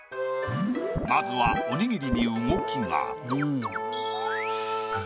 まずはおにぎりに動きが。